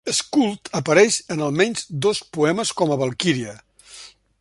Skuld apareix en al menys dos poemes com a Valquíria.